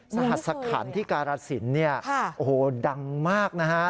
สหสคัญที่การาศิลป์นี่โอ้โฮดังมากนะฮะ